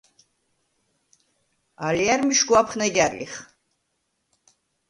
ალჲა̈რ მიშგუ აფხნეგა̈რ ლიხ.